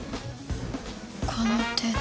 この手で。